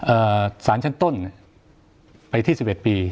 อ่าสารชั้นต้นไปที่๑๑ปี